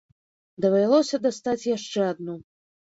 Давялося дастаць яшчэ адну.